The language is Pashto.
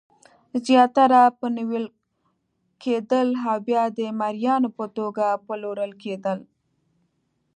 زیاتره به نیول کېدل او بیا د مریانو په توګه پلورل کېدل.